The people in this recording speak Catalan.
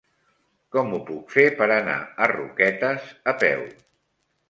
Com ho puc fer per anar a Roquetes a peu?